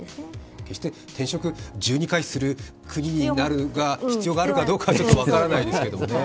決して転職、１２回する国になる必要があるかどうかちょっと分からないですけども。